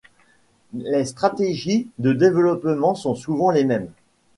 Les stratégies de développement sont souvent les mêmes.